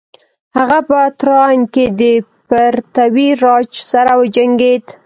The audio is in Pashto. هغه په تراین کې د پرتیوي راج سره وجنګید.